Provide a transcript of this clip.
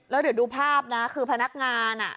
แล้วเดี๋ยวดูภาพนะคือพนักงาน